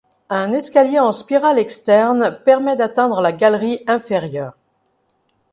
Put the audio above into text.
Un escalier en spirale externe permet d'atteindre la galerie inférieure.